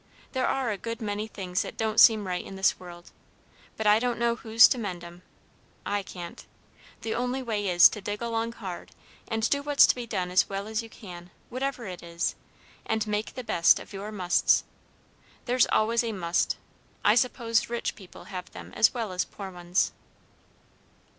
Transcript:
There are a good many things that don't seem right in this world, but I don't know who's to mend 'em. I can't. The only way is to dig along hard and do what's to be done as well as you can, whatever it is, and make the best of your 'musts.' There's always a 'must.' I suppose rich people have them as well as poor ones."